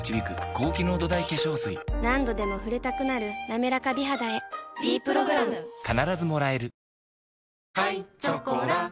何度でも触れたくなる「なめらか美肌」へ「ｄプログラム」あっつ。